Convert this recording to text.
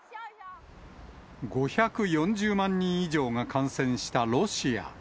５４０万人以上が感染したロシア。